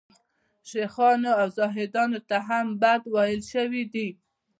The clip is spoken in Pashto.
شیخانو او زاهدانو ته هم بد ویل شوي دي.